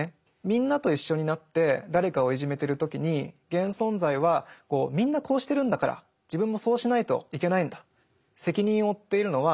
みんなと一緒になって誰かをいじめてる時に現存在は「みんなこうしてるんだから自分もそうしないといけないんだ」。